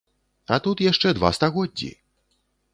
А тут яшчэ два стагоддзі!